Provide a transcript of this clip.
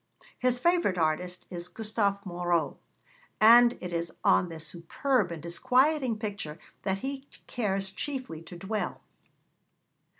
His favourite artist is Gustave Moreau, and it is on this superb and disquieting picture that he cares chiefly to dwell.